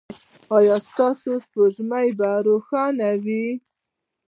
ایا ستاسو سپوږمۍ به روښانه وي؟